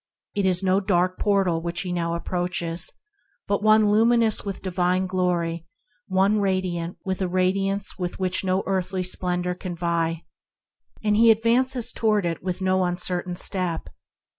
It is no dark portal that he now approaches, but one luminous with divine glory, one radiant with a radiance with which no earthly splendor can vie; and he advances toward it with no uncertain step.